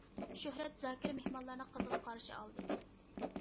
شۆھرەت زاكىر مېھمانلارنى قىزغىن قارشى ئالدى.